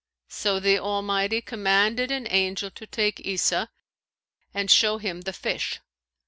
So the Almighty commanded an angel to take Isa and show him the fish.